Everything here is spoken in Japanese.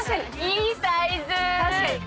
いいサイズ！